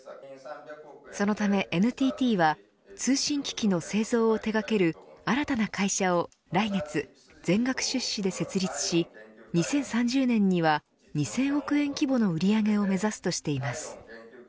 そのためＮＴＴは通信機器の製造を手掛ける新たな会社を来月全額出資で設立し２０３０年には２０００億円規模の売り上げを目指すとしています。